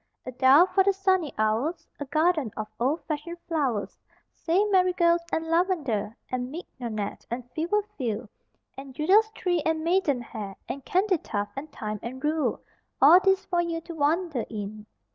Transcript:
A dial for the sunny hours, A garden of old fashioned flowers Say marigolds and lavender And mignonette and fever few, And Judas tree and maidenhair And candytuft and thyme and rue All these for you to wander in.